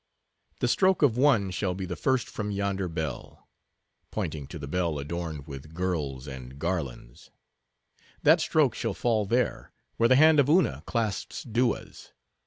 The stroke of one shall be the first from yonder bell," pointing to the bell adorned with girls and garlands, "that stroke shall fall there, where the hand of Una clasps Dua's.